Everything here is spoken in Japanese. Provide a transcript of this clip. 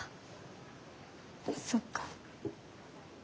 そっか。